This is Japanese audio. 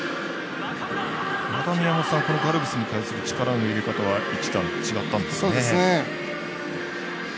また宮本さん、ガルビスに対する力の入れ方は一段と違ったんですね。